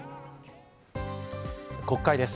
国会です。